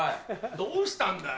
どうしたんだい？